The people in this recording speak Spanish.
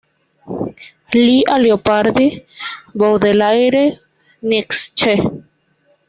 Lee a Leopardi, Baudelaire, Nietzsche.